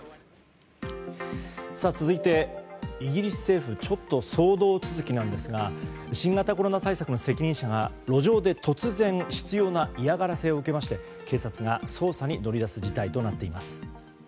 続いて、イギリス政府ちょっと騒動続きなんですが新型コロナ対策の責任者が路上で突然執拗な嫌がらせを受けまして警察が捜査に乗り出す事態となっています。